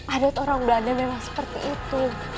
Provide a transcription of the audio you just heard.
adat orang belanda memang seperti itu